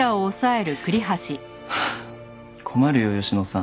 困るよ吉野さん。